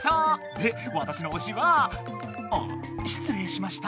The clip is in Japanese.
でわたしのおしはあっしつれいしました。